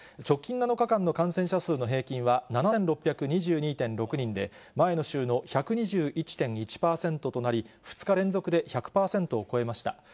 直近７日間の感染者数の平均は７６２２．６人で、前の週の１２１．１％となり、２日連続で１００％を超えました。